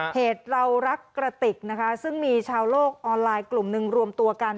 เหตุเรารักกระติกนะคะซึ่งมีชาวโลกออนไลน์กลุ่มหนึ่งรวมตัวกัน